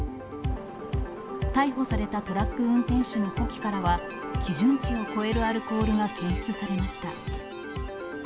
逮捕されたトラック運転手の呼気からは、基準値を超えるアルコールが検出されました。